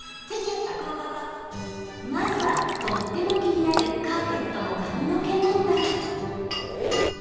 まずは、とっても気になるカーペットの髪の毛問題。